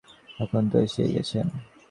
এখন তো এসেই গেছেন।